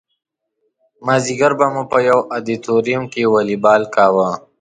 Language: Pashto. مازدیګر به مو په یو ادیتوریم کې والیبال کاوه.